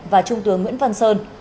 và trung tướng nguyễn văn sơn